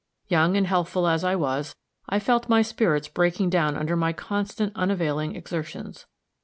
Young and healthful as I was, I felt my spirits breaking down under my constant, unavailing exertions.